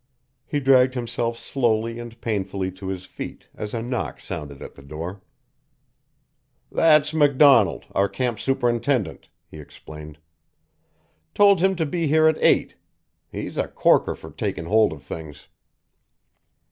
He dragged himself slowly and painfully to his feet as a knock sounded at the door. "That's MacDonald, our camp superintendent," he explained. "Told him to be here at eight. He's a corker for taking hold of things."